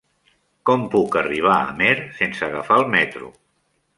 Com puc arribar a Amer sense agafar el metro?